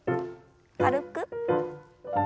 軽く。